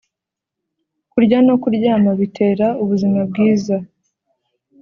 Kurya nokuryama bitera ubuzima bwiza